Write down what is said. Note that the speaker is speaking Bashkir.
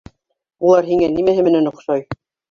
Улар һиңә нимәһе менән оҡшай?